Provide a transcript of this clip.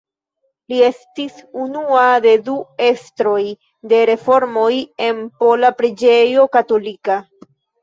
Li estis unua de du estroj de reformoj en pola preĝejo katolika.